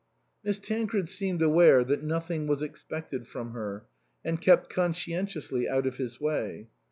Miss Tancred seemed aware that nothing was expected from her, and kept conscientiously out of his way.